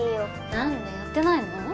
何でやってないの？